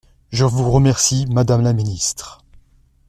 Je vous remercie, madame la ministre.